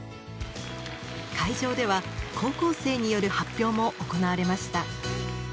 会場では高校生による発表も行われました。